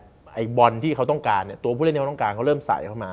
ไอ้บอลที่เขาต้องการเนี่ยตัวผู้เล่นที่เขาต้องการเขาเริ่มใส่เข้ามา